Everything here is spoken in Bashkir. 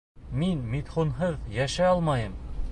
— Мин Митхунһыҙ йәшәй алмайым.